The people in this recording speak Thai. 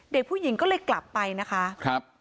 เด็กผู้หญิงก็เลยกลับไปนะคะครับ